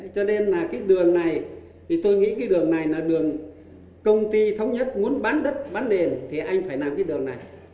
cho nên là cái đường này thì tôi nghĩ cái đường này là đường công ty thống nhất muốn bán đất bán nền thì anh phải làm cái đường này